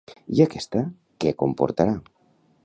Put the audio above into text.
I aquesta què comportarà?